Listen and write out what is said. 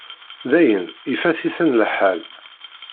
Dayen, ifat-iten lḥal.